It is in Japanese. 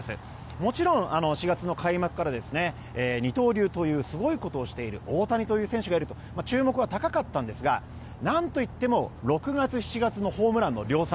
もちろん、４月の開幕から二刀流というすごいことをしている大谷という選手がいると注目は高かったんですがなんといっても、６月７月のホームランの量産。